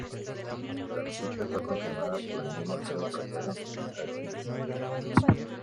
La noticia fue confirmada por el mismo Alfredo Casero en su cuenta de Twitter.